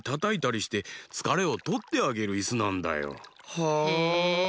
へえ。